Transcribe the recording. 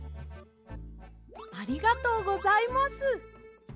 ありがとうございます。